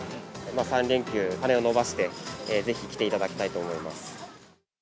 ３連休、羽を伸ばしてぜひ来ていただきたいと思います。